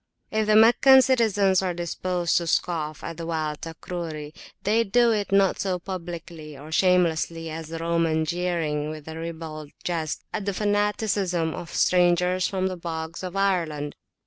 If the Meccan citizens are disposed to scoff at the wild Takruri, they do it not so publicly or shamelessly as the Roman jeering with ribald jest at the fanaticism of strangers from the bogs of Ireland.